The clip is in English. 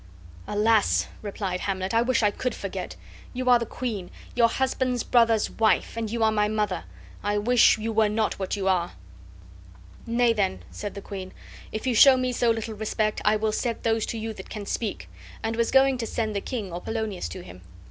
"Alas!" replied Hamlet, "I wish I could forget. You are the queen, your husband's brother's wife; and you are my mother. I wish you were not what you are." "Nay, then," said the queen, "if you show me so little respect, I will set those to you that can speak," and was going to send the king or Polonius to him.